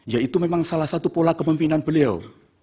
ya itu memang salah satu pola kepemimpinan beliau